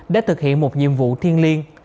để thực hiện một nhiệm vụ thiên liêng